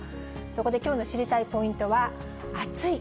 そこできょうの知りたいポイントは、暑い！